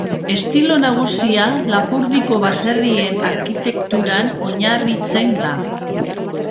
Estilo nagusia Lapurdiko baserrien arkitekturan oinarritzen da.